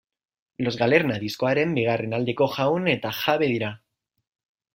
Los Galerna diskoaren bigarren aldeko jaun eta jabe dira.